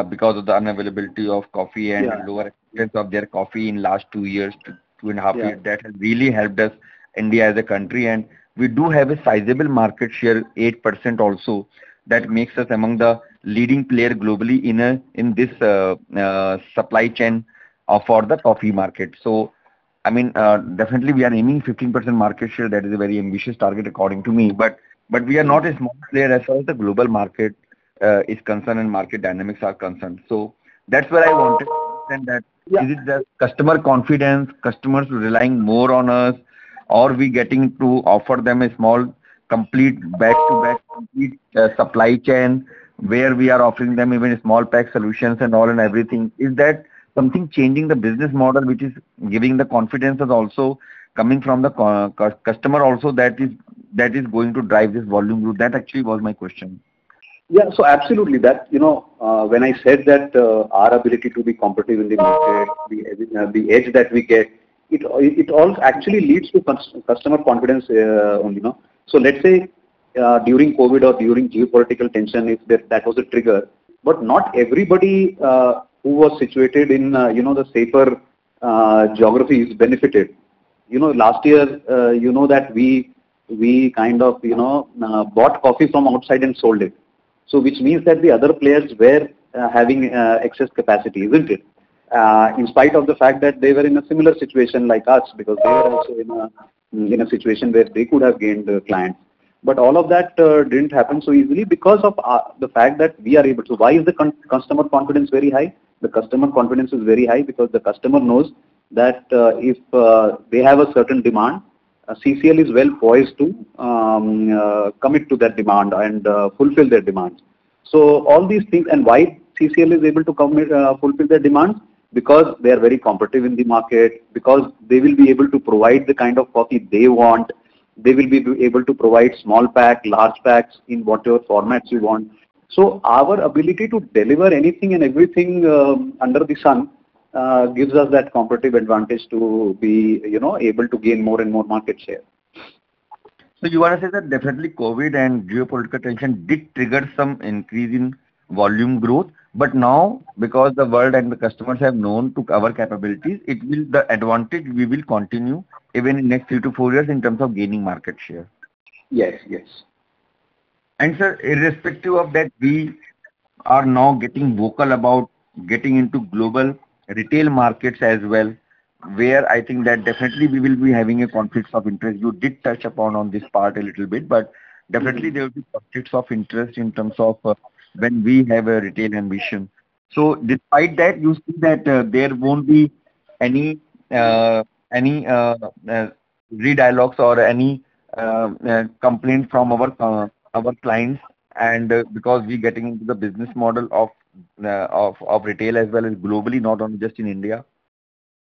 N: because of the unavailability of coffee.
C: Yeah
N: and lower price of their coffee in last two years, two and a half years.
C: Yeah.
N: That has really helped us, India, as a country, and we do have a sizable market share, 8% also. That makes us among the leading player globally in this supply chain for the coffee market. I mean, definitely we are aiming 15% market share. That is a very ambitious target, according to me. We are not a small player as far as the global market is concerned and market dynamics are concerned. That's what I wanted to understand.
C: Yeah.
N: Is it the customer confidence, customers relying more on us, or we getting to offer them a small, complete back-to-back, complete supply chain, where we are offering them even a small pack solutions and all and everything, is that something changing the business model, which is giving the confidence and also coming from the customer also, that is going to drive this volume growth? That actually was my question.
C: Yeah. Absolutely. That. You know, when I said that, our ability to be competitive in the market, the edge that we get, it all actually leads to customer confidence, you know. Let's say, during COVID or during geopolitical tension, if that was a trigger, but not everybody, who was situated in, you know, the safer geographies benefited. You know, last year, you know that we kind of, you know, bought coffee from outside and sold it. Which means that the other players were having excess capacity, isn't it? In spite of the fact that they were in a similar situation like us, because they were also in a, in a situation where they could have gained a client. All of that didn't happen so easily because of the fact that we are able to. Why is the customer confidence very high? The customer confidence is very high because the customer knows that if they have a certain demand, CCL is well poised to commit to that demand and fulfill their demands. All these things. Why CCL is able to commit, fulfill their demands? Because they are very competitive in the market, because they will be able to provide the kind of coffee they want. They will be able to provide small pack, large packs in whatever formats you want. Our ability to deliver anything and everything under the sun gives us that competitive advantage to be, you know, able to gain more and more market share.
N: You want to say that definitely COVID and geopolitical tension did trigger some increase in volume growth, but now, because the world and the customers have known to our capabilities, the advantage we will continue even in next three to four years in terms of gaining market share?
C: Yes. Yes.
N: Sir, irrespective of that, we are now getting vocal about getting into global retail markets as well, where I think that definitely we will be having a conflict of interest. You did touch upon on this part a little bit.
C: Mm-hmm.
N: Definitely there will be conflicts of interest in terms of, when we have a retail ambition. Despite that, you see that, there won't be any, re-dialogues or any, complaint from our clients, and because we're getting into the business model of, retail as well as globally, not on just in India?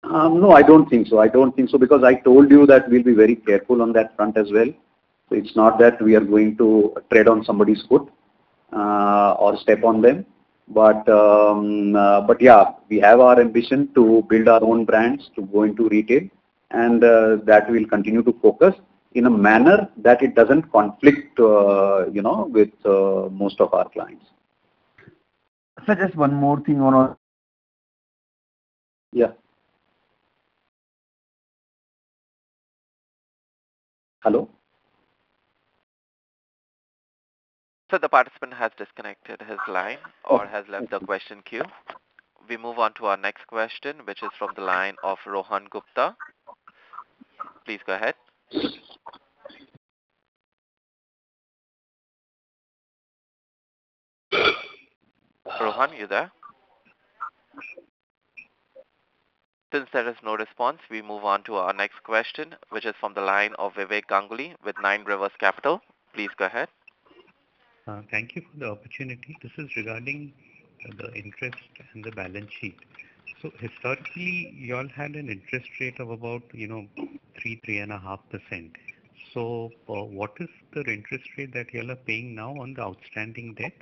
C: No, I don't think so. I don't think so, because I told you that we'll be very careful on that front as well. It's not that we are going to tread on somebody's foot, or step on them. Yeah, we have our ambition to build our own brands, to go into retail, and that will continue to focus in a manner that it doesn't conflict, you know, with most of our clients.
N: Sir, just one more thing.
C: Yeah. Hello?
A: Sir, the participant has disconnected his line or has left the question queue. We move on to our next question, which is from the line of Rohan Gupta. Please go ahead. Rohan, you there? Since there is no response, we move on to our next question, which is from the line of Vivek Ganguly with Nine Rivers Capital. Please go ahead.
O: Thank you for the opportunity. This is regarding the interest and the balance sheet. Historically, you all had an interest rate of about, you know, 3.5%. What is the interest rate that you all are paying now on the outstanding debt?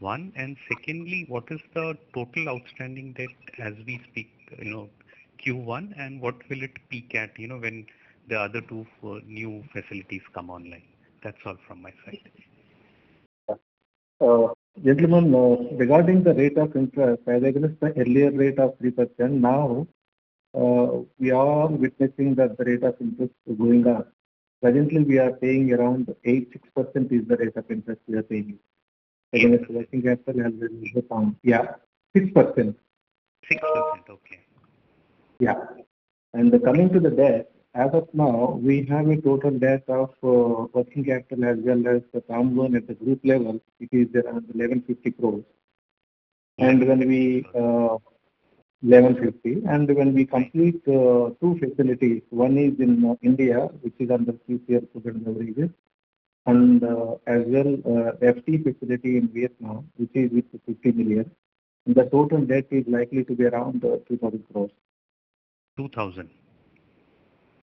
O: One, and secondly, what is the total outstanding debt as we speak, you know? Q1, and what will it peak at, you know, when the other two new facilities come online? That's all from my side.
J: Gentlemen, regarding the rate of interest as against the earlier rate of 3%, now, we are witnessing that the rate of interest is going up. Presently, we are paying around 6% is the rate of interest we are paying. Again, it's working capital and then term. Yeah, 6%.
P: 6%, okay.
J: Yeah. Coming to the debt, as of now, we have a total debt of working capital as well as the term loan at the group level, it is around 1,150 crores. When we complete two facilities, one is in India, which is under PCP project deliveries, as well, FC facility in Vietnam, which is with $50 million. The total debt is likely to be around 2,000 crores.
O: 2,000?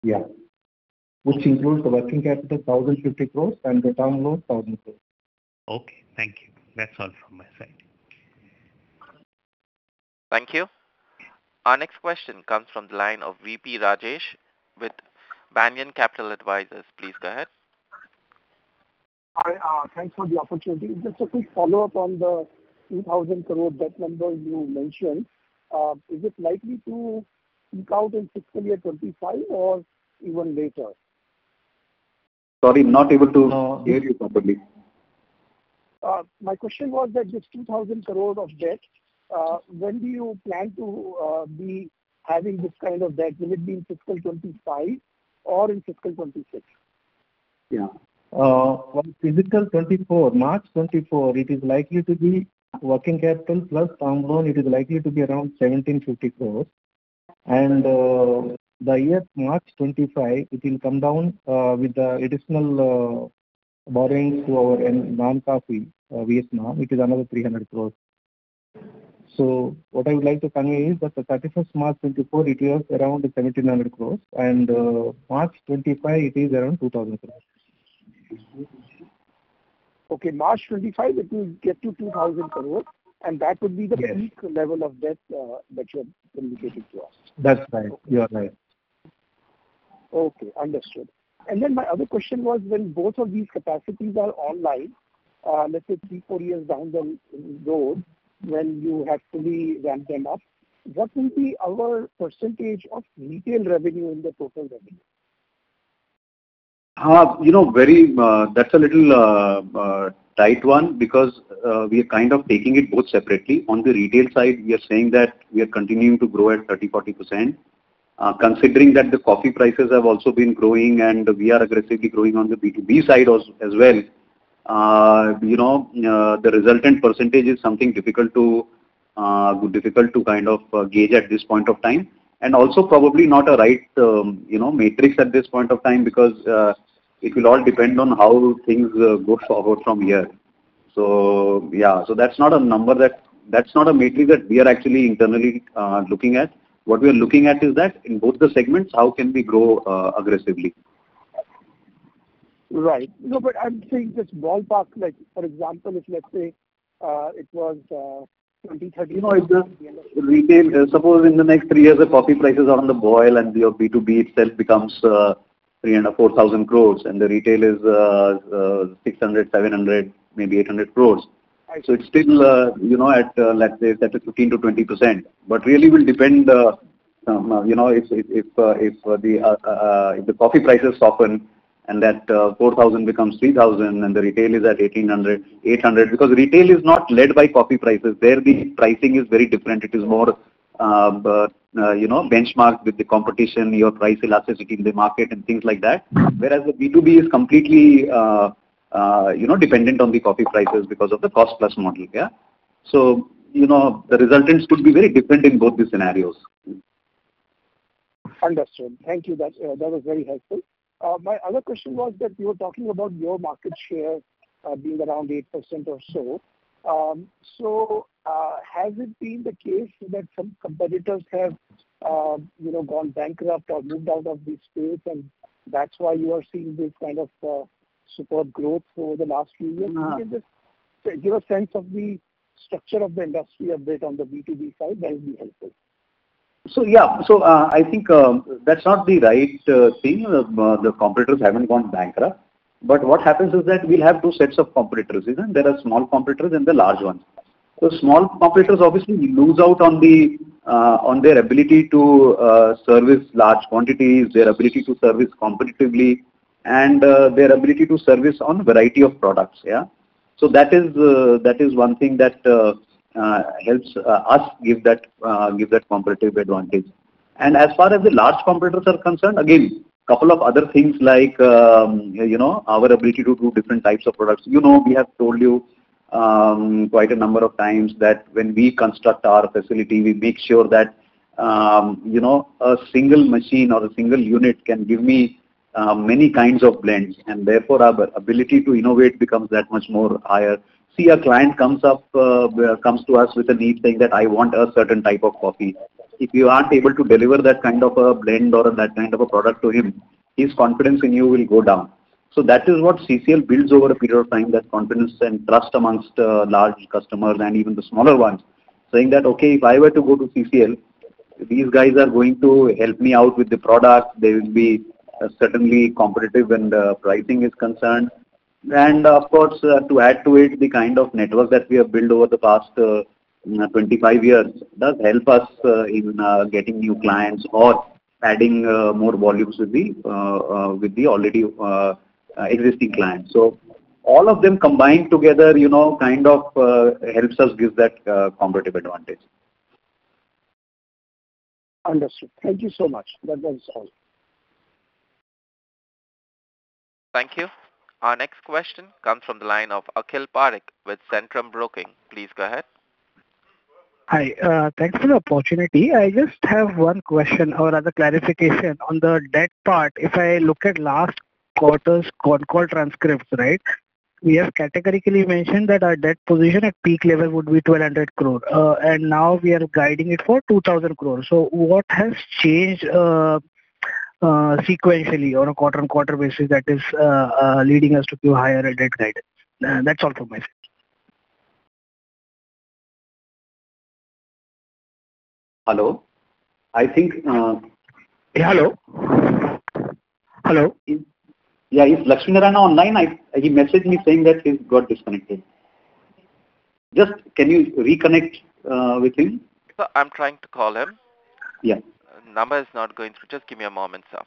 J: Yeah. Which includes the working capital, 1,050 crores, and the term loan, 1,000 crores.
O: Okay, thank you. That's all from my side.
A: Thank you. Our next question comes from the line of V.P. Rajesh with Banyan Capital Advisors. Please go ahead.
P: Hi, thanks for the opportunity. Just a quick follow-up on the 2,000 crore debt number you mentioned. Is it likely to peak out in fiscal year 2025 or even later?
C: Sorry, not able to hear you properly.
P: My question was that this 2,000 crore of debt, when do you plan to be having this kind of debt? Will it be in fiscal 2025 or in fiscal 2026?
J: For fiscal 2024, March 2024, it is likely to be working capital plus term loan, it is likely to be around 1,750 crores. By year March 2025, it will come down with the additional borrowings to our Non-Coffee Vietnam, it is another 300 crores. What I would like to convey is that the 31st March 2024, it was around 1,700 crores, and March 2025, it is around 2,000 crores.
P: Okay. March 25, it will get to 2,000 crores, that would be the-
J: Yes...
P: peak level of debt, that you have communicated to us.
J: That's right. You are right.
Q: Okay, understood. My other question was, when both of these capacities are online, let's say 3, 4 years down the road, when you have fully ramped them up, what will be our % of retail revenue in the total revenue?
C: You know, very, that's a little tight one, because we are kind of taking it both separately. On the retail side, we are saying that we are continuing to grow at 30%- 40%. Considering that the coffee prices have also been growing and we are aggressively growing on the B2B side as well, you know, the resultant percentage is something difficult to difficult to kind of gauge at this point of time, and also probably not a right, you know, matrix at this point of time, because it will all depend on how things go forward from here. Yeah, that's not a number that's not a matrix that we are actually internally looking at. What we are looking at is that in both the segments, how can we grow aggressively?
P: Right. No, but I'm saying just ballpark, like, for example, if let's say, it was, 20, 30-
C: No, if the retail, suppose in the next three years, the coffee prices are on the boil and your B2B itself becomes, 3,000 and a 4,000 crores, and the retail is, 600, 700, maybe 800 crores.
P: Right.
C: It's still, you know, at, let's say that is 15%-20%, but really will depend, you know, if the coffee prices soften and that 4,000 becomes 3,000, and the retail is at 1,800. Retail is not led by coffee prices. There, the pricing is very different. It is more, you know, benchmarked with the competition, your price elasticity in the market and things like that. Whereas the B2B is completely, you know, dependent on the coffee prices because of the cost-plus model. Yeah. The resultants could be very different in both these scenarios.
P: Understood. Thank you. That's, that was very helpful. My other question was that you were talking about your market share, being around 8% or so. Has it been the case that some competitors have, you know, gone bankrupt or moved out of the space, and that's why you are seeing this kind of, superb growth over the last few years?
C: Uh-
P: Can you just give a sense of the structure of the industry a bit on the B2B side, that would be helpful.
C: Yeah. I think that's not the right thing. The competitors haven't gone bankrupt, but what happens is that we'll have two sets of competitors, isn't? There are small competitors and the large ones. Small competitors, obviously, lose out on the, on their ability to service large quantities, their ability to service competitively, and their ability to service on a variety of products, yeah. That is one thing that helps us give that competitive advantage. As far as the large competitors are concerned, again, couple of other things like, you know, our ability to do different types of products. You know, we have told you, quite a number of times that when we construct our facility, we make sure that, you know, a single machine or a single unit can give me, many kinds of blends, and therefore, our ability to innovate becomes that much more higher. See, a client comes to us with a need, saying that, "I want a certain type of coffee." If you aren't able to deliver that kind of a blend or that kind of a product to him, his confidence in you will go down. That is what CCL builds over a period of time, that confidence and trust amongst, large customers and even the smaller ones, saying that, "Okay, if I were to go to CCL, these guys are going to help me out with the product. They will be certainly competitive when the pricing is concerned. Of course, to add to it, the kind of network that we have built over the past 25 years does help us in getting new clients or adding more volumes with the already existing clients. All of them combined together, you know, kind of helps us give that competitive advantage.
P: Understood. Thank you so much. That is all.
A: Thank you. Our next question comes from the line of Akhil Parekh with Centrum Broking. Please go ahead.
Q: Hi, thanks for the opportunity. I just have one question or other clarification. On the debt part, if I look at last quarter's con call transcript, right, we have categorically mentioned that our debt position at peak level would be 1,200 crore, and now we are guiding it for 2,000 crore. What has changed, sequentially on a quarter-on-quarter basis that is, leading us to give higher debt guidance? That's all from my side.
C: Hello. I think,
Q: Hello? Hello.
C: Yeah, is Lakshminarayan online? He messaged me saying that he's got disconnected. Just can you reconnect with him?
A: Sir, I'm trying to call him.
C: Yeah.
A: Number is not going through. Just give me a moment, sir.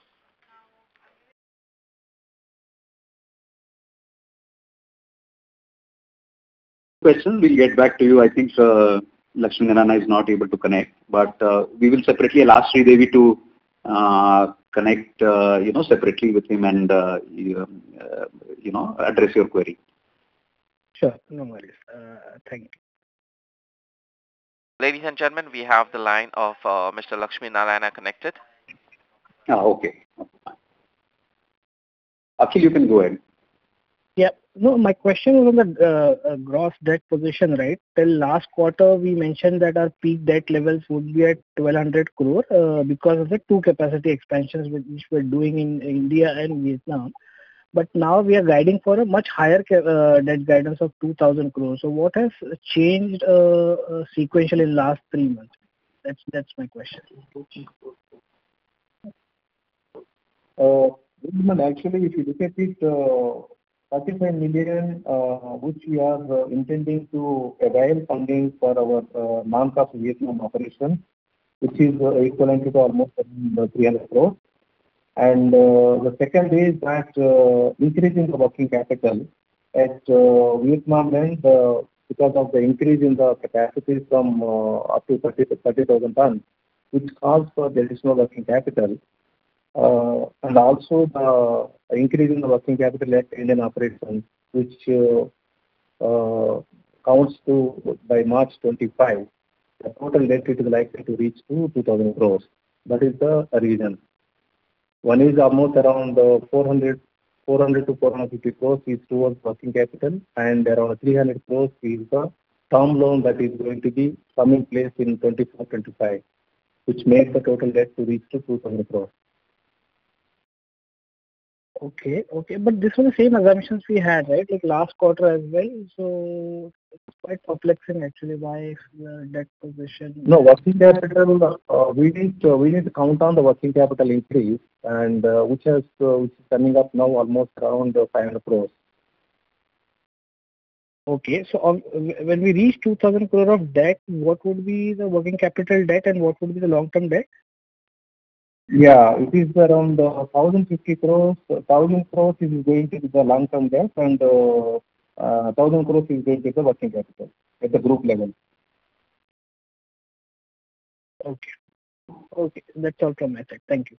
C: We'll get back to you. I think, sir, Lakshminarayan is not able to connect. We will separately ask Sridevi to connect, you know, separately with him and, you know, address your query.
Q: Sure. No worries. Thank you.
A: Ladies and gentlemen, we have the line of, Mr. Lakshminarayan connected.
C: Oh, okay. Akhil, you can go ahead.
Q: No, my question was on the gross debt position, right? Till last quarter, we mentioned that our peak debt levels would be at 1,200 crore because of the two capacity expansions which we're doing in India and Vietnam. Now we are guiding for a much higher debt guidance of 2,000 crore. What has changed sequentially in last three months? That's my question.
J: Actually, if you look at it, $35 million, which we are intending to avail funding for our Vietnam operation, which is equivalent to almost 300 crores. The second is that increasing the working capital at Vietnam and because of the increase in the capacity from up to 30,000 tons, which calls for additional working capital. Also the increase in the working capital at Indian operations, which counts to by March 2025, the total debt is likely to reach to 2,000 crores. That is the reason. One is almost around 400-450 crores is towards working capital, and around 300 crores is the term loan that is going to be coming in place in 2024, 2025, which makes the total debt to reach to 2,000 crores.
Q: Okay. Okay, this was the same assumptions we had, right? Like last quarter as well. It's quite perplexing actually, why the debt position-
J: No, working capital, we need to count on the working capital increase and which is coming up now almost around 500 crores.
Q: When we reach 2,000 crore of debt, what would be the working capital debt and what would be the long-term debt?
J: It is around 1,050 crores. 1,000 crores is going to be the long-term debt and 1,000 crores is going to be the working capital at the group level.
Q: Okay. Okay, that's all from my side. Thank you.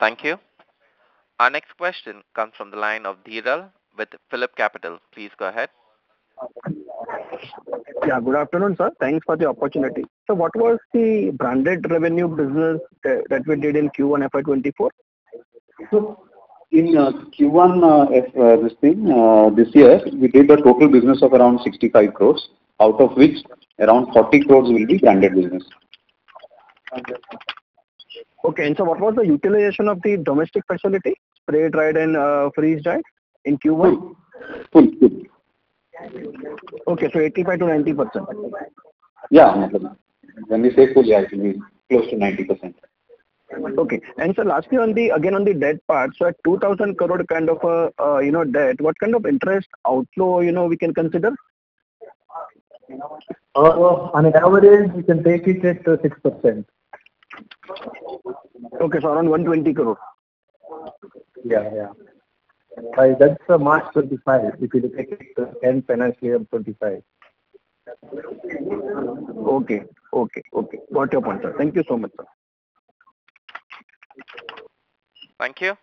A: Thank you. Our next question comes from the line of Dhiral with PhillipCapital. Please go ahead.
R: Yeah, good afternoon, sir. Thanks for the opportunity. What was the branded revenue business that we did in Q1 FY 2024?
C: In Q1 this year, we did a total business of around 65 crore, out of which around 40 crore will be branded business.
R: Okay. What was the utilization of the domestic facility, spray dried and freeze dried in Q1?
C: Full.
R: Okay, 85%-90%.
C: Yeah. When we say full, actually close to 90%.
R: Okay. sir, lastly, on the, again, on the debt part, at 2,000 crore kind of, you know, debt, what kind of interest outflow, you know, we can consider?
J: On an average, you can take it at 6%.
R: Okay, around INR 120 crore.
J: Yeah. That's March 25, if you look at the end financial year 2025.
R: Okay. Okay, okay. Got your point, sir. Thank you so much, sir.
A: Thank you.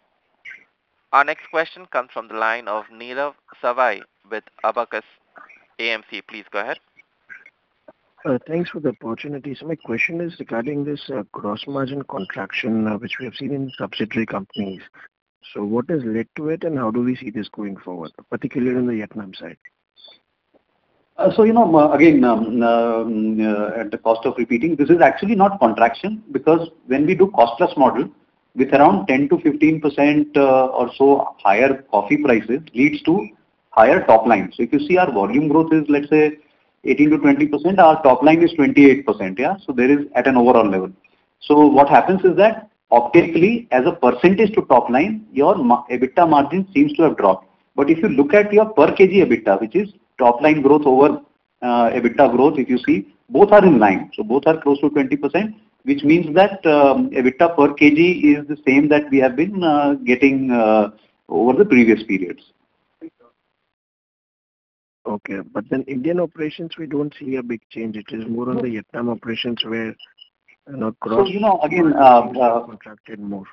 A: Our next question comes from the line of Nirav Savai with Abakkus AMC. Please go ahead.
S: Thanks for the opportunity. My question is regarding this gross margin contraction, which we have seen in subsidiary companies. What has led to it, and how do we see this going forward, particularly on the Vietnam side?
C: You know, again, at the cost of repeating, this is actually not contraction, because when we do cost-plus model with around 10%-15%, or so higher coffee prices leads to higher top line. If you see our volume growth is, let's say, 18%-20%, our top line is 28%. Yeah. There is at an overall level. What happens is that optically, as a percentage to top line, your EBITDA margin seems to have dropped. If you look at your per kg EBITDA, which is top line growth over EBITDA growth, if you see, both are in line, both are close to 20%, which means that EBITDA per kg is the same that we have been getting over the previous periods.
S: Okay. Indian operations, we don't see a big change. It is more on the Vietnam operations where, you know.
C: You know, again.
S: Contracted more.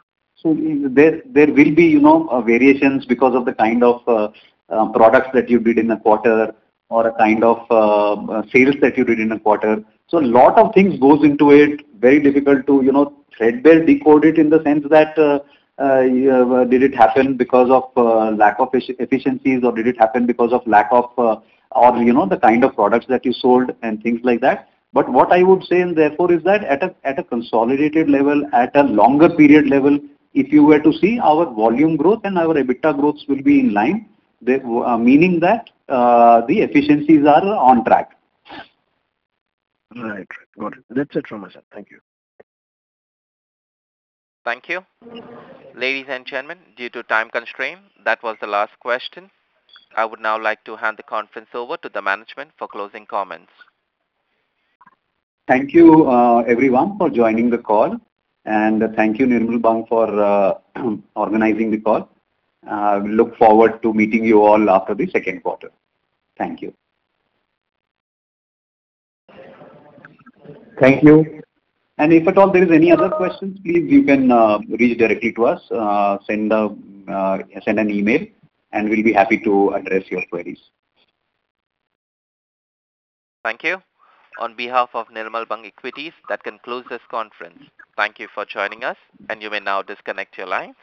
C: There will be, you know, variations because of the kind of products that you did in a quarter or a kind of sales that you did in a quarter. A lot of things goes into it. Very difficult to, you know, threadbare decode it in the sense that did it happen because of lack of efficiencies, or did it happen because of lack of, or, you know, the kind of products that you sold and things like that. What I would say, and therefore, is that at a consolidated level, at a longer period level, if you were to see our volume growth and our EBITDA growth will be in line, meaning that the efficiencies are on track.
S: Right. Got it. That's it from us, sir. Thank you.
A: Thank you. Ladies and gentlemen, due to time constraint, that was the last question. I would now like to hand the conference over to the management for closing comments.
C: Thank you, everyone, for joining the call, and thank you, Nirmal Bang, for organizing the call. We look forward to meeting you all after the second quarter. Thank you.
J: Thank you.
C: If at all there is any other questions, please, you can reach directly to us. Send an email and we'll be happy to address your queries.
A: Thank you. On behalf of Nirmal Bang Equities, that concludes this conference. Thank you for joining us, and you may now disconnect your lines.